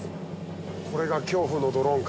これが恐怖のドローンか。